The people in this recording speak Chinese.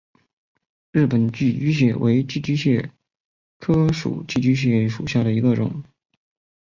日本寄居蟹为寄居蟹科寄居蟹属下的一个种。